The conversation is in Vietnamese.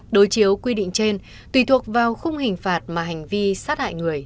đối chiếu quy định trên tùy thuộc vào khung hình phạt mà hành vi sát hại người